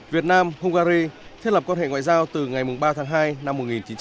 việt nam hungary thiết lập quan hệ ngoại giao từ ngày ba tháng hai năm một nghìn chín trăm bảy mươi